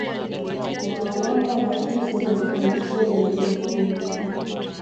na alama rahisi za mafanikio iliyokuwa